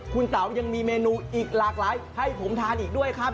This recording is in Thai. คุณเต๋ายังมีเมนูอีกหลากหลายให้ผมทานอีกด้วยครับ